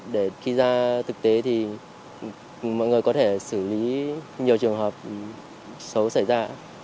để khi ra thực tế thì mọi người có thể xử lý nhiều trường hợp xấu xảy ra